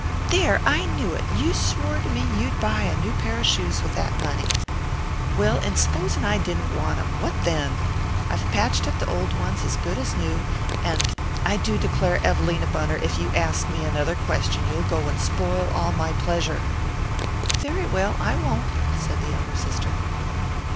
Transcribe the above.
"There, I knew it! You swore to me you'd buy a new pair of shoes with that money." "Well, and s'posin' I didn't want 'em what then? I've patched up the old ones as good as new and I do declare, Evelina Bunner, if you ask me another question you'll go and spoil all my pleasure." "Very well, I won't," said the younger sister.